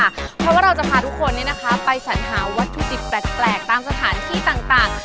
เพราะว่าเราจะพาทุกคนไปสัญหาวัตถุดิบแปลกตามสถานที่ต่าง